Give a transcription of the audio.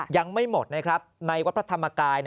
ยังไม่หมดนะครับในวัดพระธรรมกาย